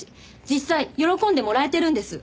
実際喜んでもらえてるんです。